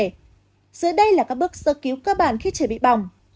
giữa đây là các bước sức cứu cơ bản khi trẻ bị bỏng